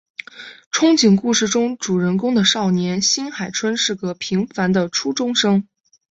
憧憬故事中主人公的少年新海春是个平凡的初中生。